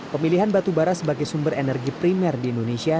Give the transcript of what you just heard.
pemilihan batubara sebagai sumber energi primer di indonesia